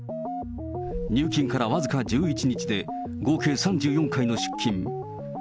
入金から僅か１１日で、合計３４回の出金。